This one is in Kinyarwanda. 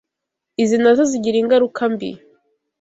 izi nazo zigira ingaruka mbi